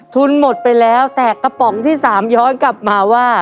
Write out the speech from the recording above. หมดไปแล้วแต่กระป๋องที่๓ย้อนกลับมาว่า